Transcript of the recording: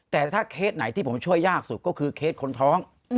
แต่ถ้าเคสไหนที่ผมช่วยยากสุดก็คือเคสคนท้อง